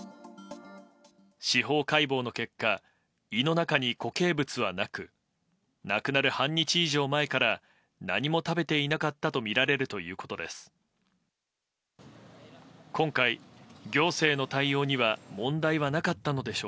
司法解剖の結果胃の中に固形物はなく亡くなる半日以上前から何も食べていなかったとみられるということです。